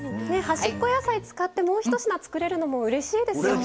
端っこ野菜使ってもう１品作れるのもうれしいですよね。